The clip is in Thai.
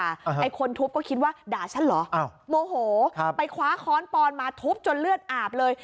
ไอ้คนทุบก็คิดว่าด่าฉันเหรออ้าวโมโหครับไปคว้าค้อนปอนมาทุบจนเลือดอาบเลย